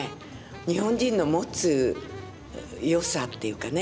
日本人の持つ良さっていうかね